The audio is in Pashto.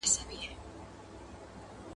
سوله ییز افغانستان زموږ هدف دی.